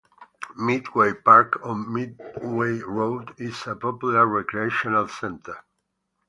Midway Park on Midway Road is a popular recreational center.